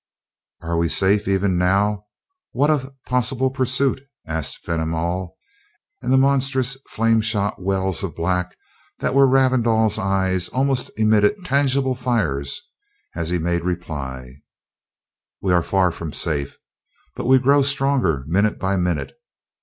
"Are we safe, even now what of possible pursuit?" asked Fenimol, and the monstrous, flame shot wells of black that were Ravindau's eyes almost emitted tangible fires as he made reply: "We are far from safe, but we grow stronger minute by minute.